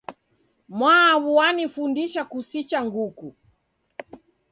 Mwaw'u wanifundisha kusicha nguku.